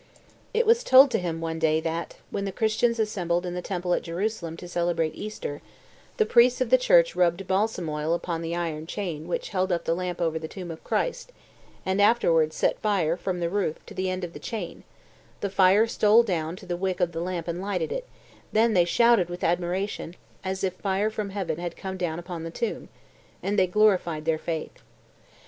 It was told to him one day that, when the Christians assembled in the temple at Jerusalem to celebrate Easter, the priests of the church rubbed balsam oil upon the iron chain which held up the lamp over the tomb of Christ, and afterwards set fire, from the roof, to the end of the chain; the fire stole down to the wick of the lamp and lighted it; then they shouted with admiration, as if fire from heaven had come down upon the tomb, and they glorified their faith.